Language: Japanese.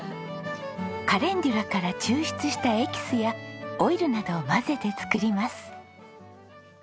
カレンデュラから抽出したエキスやオイルなどを混ぜて作ります。